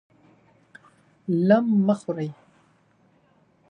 لم مه خورئ!